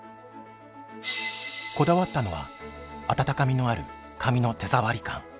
こだわったのは温かみのある紙の手触り感。